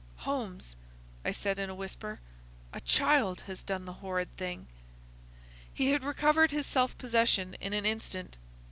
"Holmes," I said, in a whisper, "a child has done the horrid thing." He had recovered his self possession in an instant.